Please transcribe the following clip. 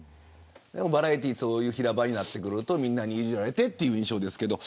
でもバラエティー平場になってくるとみんなにいじられてという印象ですけれど。